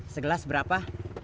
se gelas berapa